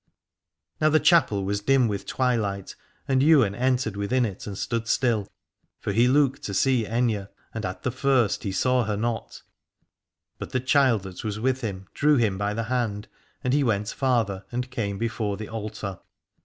Now the chapel was dim with twilight, and Ywain entered within it and stood still ; for he looked to see Aithne, and at the first he saw her not. But the child that was with him drew him by the hand, and he went farther, and came before the altar.